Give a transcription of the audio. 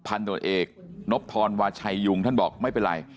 ตรวจเอกนบพรวาชัยยุงท่านบอกไม่เป็นไร